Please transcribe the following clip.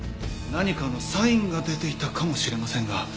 何かのサインが出ていたかもしれませんが。